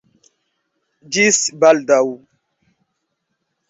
Ĝis baldaŭ!